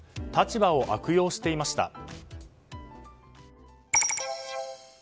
立場を悪用していました。